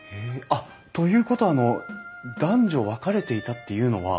あっということはあの男女分かれていたっていうのは。